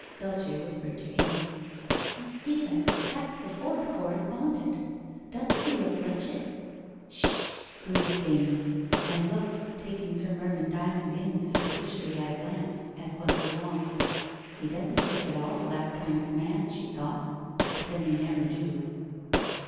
Dulce whispered to Amy, ' Miss Steevens, that's the fourth co respondent! Doesn't he look wretched?' ' Sh h !' breathed Amy, and looked, taking Sir Mervyn Dymond in superficially at a glance, as was her wont. " He doesn't look at all that kind of man,' she thought. ' Jiut then they never do.'